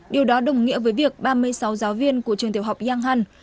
điều đó đồng nghĩa với việc ba mươi sáu giáo viên của trường tiểu học giang hăn